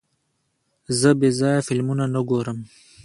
زه بېځایه فلمونه نه ګورم.